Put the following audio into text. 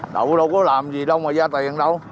đậu đâu có làm gì đâu mà ra tiền đâu